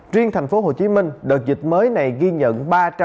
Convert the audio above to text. riêng thành phố hồ chí minh đợt dịch mới này ghi nhận ba trăm sáu mươi sáu